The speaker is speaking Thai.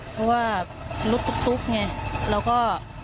เพราะว่ารถตุ๊กไงเราก็